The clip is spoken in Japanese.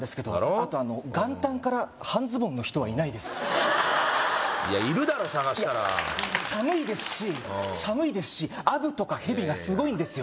あとあの元旦から半ズボンの人はいないですいやいるだろ探したら寒いですし寒いですしアブとかヘビがすごいんですよ